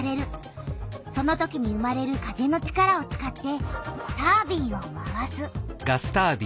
そのときに生まれる風の力を使ってタービンを回す。